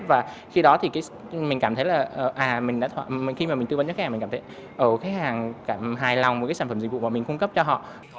và khi đó thì mình cảm thấy là à mình đã khi mà mình tư vấn cho khách hàng mình cảm thấy khách hàng cảm hài lòng với cái sản phẩm dịch vụ mà mình cung cấp cho họ